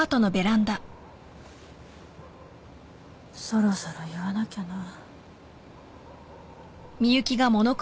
そろそろ言わなきゃな。